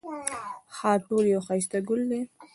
خاټول یو ښایسته ګل دی